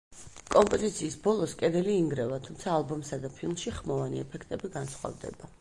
კომპოზიციის ბოლოს კედელი ინგრევა, თუმცა ალბომსა და ფილმში ხმოვანი ეფექტები განსხვავდება.